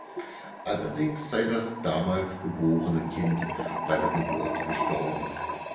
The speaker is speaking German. Allerdings sei das damals geborene Kind bei der Geburt gestorben.